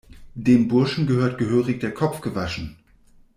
Dem Burschen gehört gehörig der Kopf gewaschen!